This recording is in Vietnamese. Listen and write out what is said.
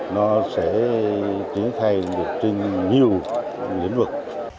nó sẽ triển khai được trên nhiều nhiệm vực